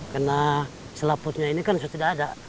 karena selaputnya ini kan sudah tidak ada